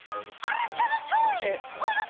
らっしゃいらっしゃい！